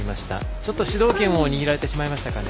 ちょっと主導権を握られてしまいましたかね。